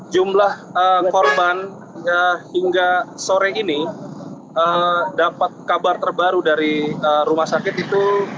jumlah korban hingga sore ini dapat kabar terbaru dari rumah sakit itu